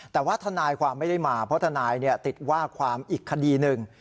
แต่ว่าทนายความไม่ได้มาเพราะทนายติดว่าความอีกคดีหนึ่ง